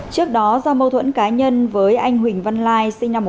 trước đó do mâu thuẫn cá nhân với anh huỳnh văn lai sinh năm một nghìn chín trăm tám mươi